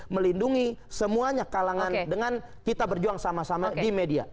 melindungi semuanya kalangan dengan kita berjuang sama sama di media